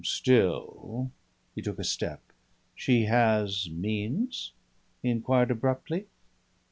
"Still " He took a step. "She has means?" he inquired abruptly.